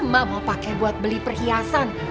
mak mau pakai buat beli perhiasan